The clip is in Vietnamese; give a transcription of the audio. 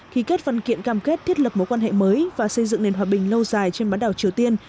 khi kết văn kiện cam kết thiết lập mối quan hệ mới và xây dựng nền hòa bình lâu dài trên bán đảo triều tiên